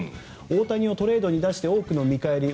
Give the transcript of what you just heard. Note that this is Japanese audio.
大谷をトレードに出して多くの見返り